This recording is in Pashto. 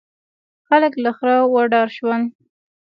خلک له خره وډار شول.